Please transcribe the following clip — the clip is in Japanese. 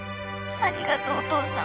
ありがとうお母さん。